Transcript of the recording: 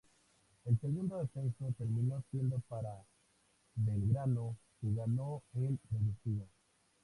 El segundo ascenso terminó siendo para Belgrano, que ganó el Reducido.